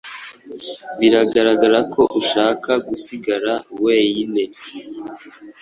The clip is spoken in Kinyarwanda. Biragaragara ko ushaka gusigara weine.